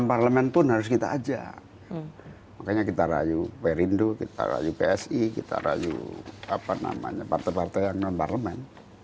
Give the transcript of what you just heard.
parlemen pun harus kita ajak makanya kita rayu perindo kita rayu psi kita rayu apa namanya partai partai yang non parlemen